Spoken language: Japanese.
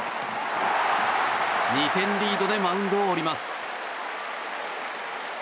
２点リードでマウンドを降ります。